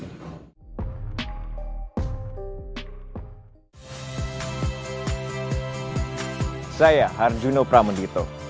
dan saya harun sato